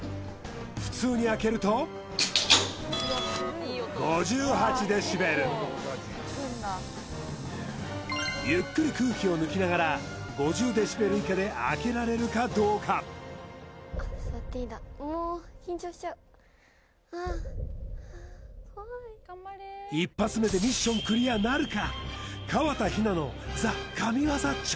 普通に開けるとゆっくり空気を抜きながら５０デシベル以下で開けられるかどうかあっ座っていいんだおおはあ怖い一発目でミッションクリアなるか？